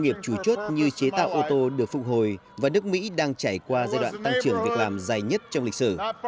nghiệp chủ chốt như chế tạo ô tô được phục hồi và nước mỹ đang trải qua giai đoạn tăng trưởng việc làm dài nhất trong lịch sử